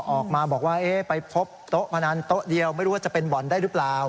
ออกมาบอกว่าไปพบโต๊ะพนันโต๊ะเดียวไม่รู้ว่าจะเป็นบ่อนได้หรือเปล่า